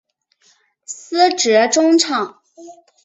司职中场。